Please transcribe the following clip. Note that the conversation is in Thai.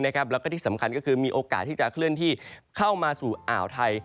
แล้วก็ที่สำคัญก็คือมีโอกาสที่จะเคลื่อนที่เข้ามาสู่อ่าวไทย